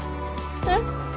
えっ？